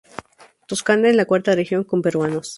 Toscana es la cuarta región con peruanos.